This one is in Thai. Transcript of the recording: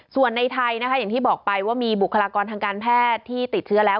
ส่วนในไทยนะคะอย่างที่บอกไปว่ามีบุคลากรทางการแพทย์ที่ติดเชื้อแล้ว